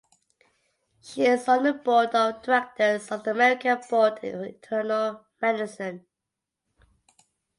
She is on the Board of Directors of the American Board of Internal Medicine.